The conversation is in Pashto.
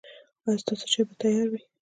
ایا ستاسو چای به تیار وي؟